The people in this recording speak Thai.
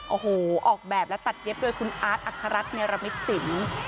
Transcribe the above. โอ้โหออกแบบและตัดเย็บโดยคุณอาร์ตอัครรัฐเนรมิตสิน